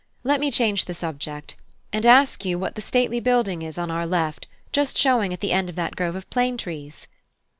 Let me change the subject, and ask you what the stately building is on our left just showing at the end of that grove of plane trees?"